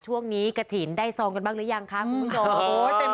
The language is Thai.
ช่วงนี้กะถีนได้ซองกันบ้างหรือยังคะคุณผู้ชม